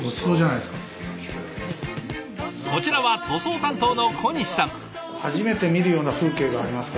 こちらは塗装担当の小西さん。